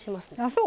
そう？